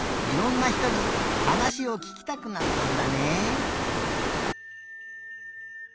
いろんな人にはなしをききたくなったんだね！